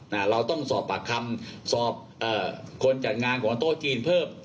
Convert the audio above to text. เราต้องสอบปากคำสอบเอ่อคนจัดงานของโต๊ะจีนเพิ่ม